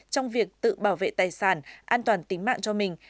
trong việc tự bảo vệ tài sản an toàn tính mạng cho mình